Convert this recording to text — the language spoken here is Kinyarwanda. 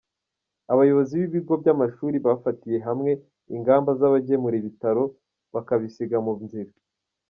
Abayobozi b’ibigo by’amashuri bafatiye hamwe ingamba z’abagemura ibitabo bakabisiga mu nzira.